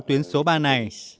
tuyến số ba này